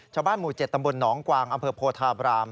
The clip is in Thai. ชาวบ้านหมู่เจ็ดตำบลหนองกวางอำเภอโพธาบราม